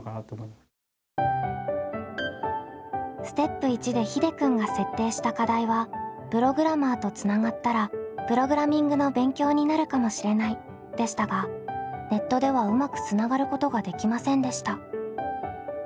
ステップ１でひでくんが設定した課題は「プログラマーとつながったらプログラミングの勉強になるかもしれない」でしたがネットではうまくつながることができませんでした。